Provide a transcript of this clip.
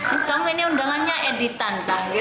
mas kamu ini undangannya editan